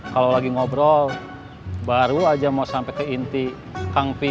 kalau lagi ngobrol baru aja mau sampai ke inti kang pip